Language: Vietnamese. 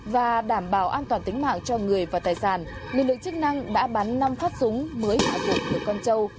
và đảm bảo an toàn tính mạng cho người và tài sản lực lượng chức năng đã bắn năm phát súng mới hạ thủ được con trâu